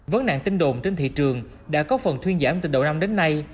vấn nạn tin đồn trên thị trường đã có phần thuyên giảm từ đầu năm đến nay